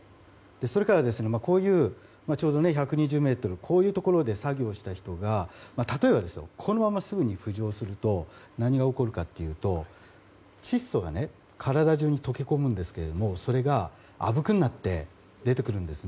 それから、ちょうど１２０ｍこういうところで作業した人が例えば、このまますぐに浮上すると何が起こるかというと窒素が体中に溶け込むんですけどもそれがあぶくになって出てくるんです。